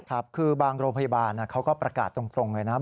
ครับคือบางโรงพยาบาลเขาก็ประกาศตรงเลยนะ